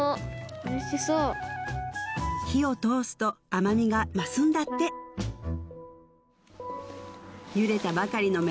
おいしそう火を通すと甘みが増すんだってゆでたばかりの芽